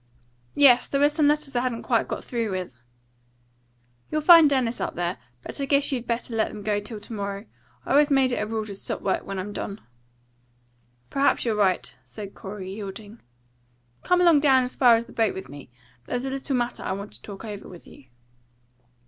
"Yes; there were some letters I hadn't quite got through with." "You'll find Dennis up there. But I guess you better let them go till to morrow. I always make it a rule to stop work when I'm done." "Perhaps you're right," said Corey, yielding. "Come along down as far as the boat with me. There's a little matter I want to talk over with you."